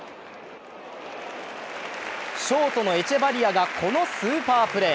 ショートのエチェバリアがこのスーパープレー。